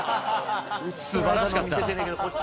すばらしかった。